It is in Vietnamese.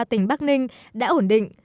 tỉnh bắc ninh đã ổn định